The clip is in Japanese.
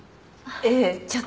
ええちょっと。